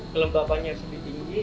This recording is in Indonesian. kelembaban yang lebih tinggi